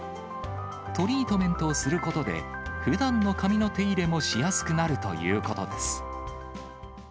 トリートメントをすることで、ふだんの髪の手入れもしやすくなるということです。